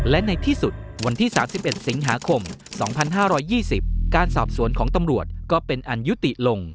และในที่สุดวันที่๓๑สิงหาคม๒๕๒๐การสอบสวนของตำรวจก็เป็นอันยุติลง